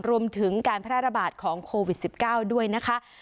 รวมถึงการแพร่ระบาดของโควิด๑๙ด้วยนะคะ